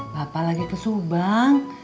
bapak lagi ke subang